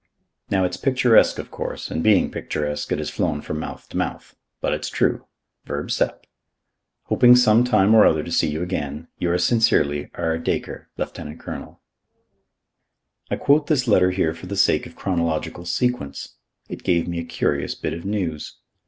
"Now, it's picturesque, of course, and being picturesque, it has flown from mouth to mouth. But it's true. Verb. sap. "Hoping some time or other to see you again, "Yours sincerely, "R. DACRE, "Lt. Col." I quote this letter here for the sake of chronological sequence. It gave me a curious bit of news.